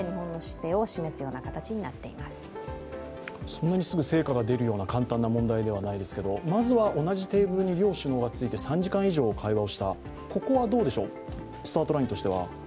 そんなにすぐ成果が出るような簡単な問題ではないですけれどもまずは同じテーブルに両首脳がついて３時間以上会話をしたここはスタートラインとしては？